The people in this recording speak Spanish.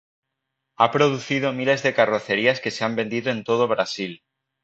Ha producido miles de carrocerías que se han vendido en todo Brasil.